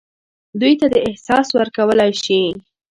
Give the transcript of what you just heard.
دوی ته دا احساس ورکولای شي.